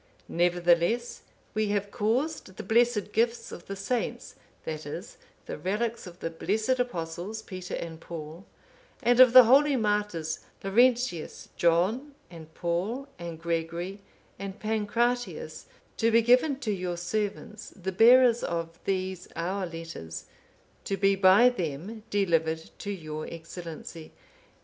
Nevertheless, we have caused the blessed gifts of the saints, that is, the relics of the blessed Apostles, Peter and Paul, and of the holy martyrs, Laurentius, John, and Paul, and Gregory, and Pancratius,(509) to be given to your servants, the bearers of these our letters, to be by them delivered to your Excellency.